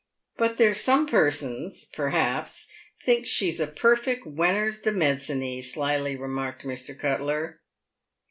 " But there's some persons, perhaps, thinks she's a perfect Weners de Medciny," slyly remarked Mr. Cuttler.